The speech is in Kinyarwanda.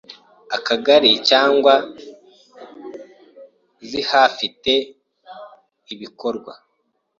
Akagari cyangwa zihafi te ibikorwa.